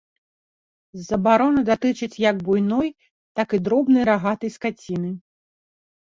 Забарона датычыць як буйной, так і дробнай рагатай скаціны.